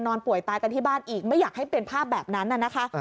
ป่วยตายกันที่บ้านอีกไม่อยากให้เป็นภาพแบบนั้นนะคะ